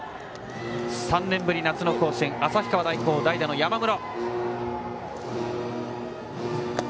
３年ぶり夏の甲子園、旭川大高代打の山室。